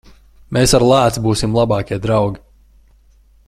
Mēs ar lāci būsim labākie draugi.